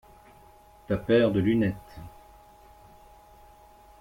Ta paire de lunettes.